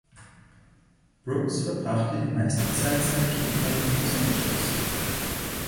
Brooks verbrachte die meiste Zeit seiner Kindheit in Los Angeles.